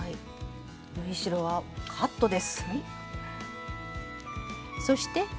縫い代はカットです。